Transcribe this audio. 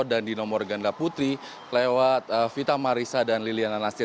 dan di nomor ganda putri lewat vita marissa dan liliana nasti